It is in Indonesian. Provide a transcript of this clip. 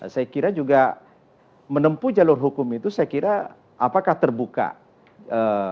saya kira juga menempuh jalur hukum itu saya kira apakah terbuka proses pra pra dilakukan